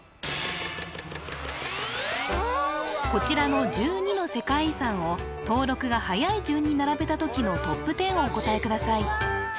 こちらの１２の世界遺産を登録がはやい順に並べた時のトップ１０をお答えください